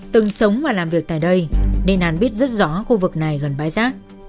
từng sống và làm việc tại đây nên hắn biết rất rõ khu vực này gần bãi giác